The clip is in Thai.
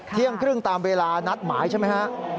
เที่ยงครึ่งตามเวลานัดหมายใช่ไหมฮะ